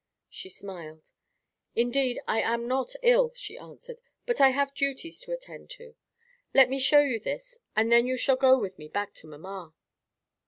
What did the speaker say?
She smiled. "Indeed, I am not ill," she answered; "but I have duties to attend to. Just let me show you this, and then you shall go with me back to mamma."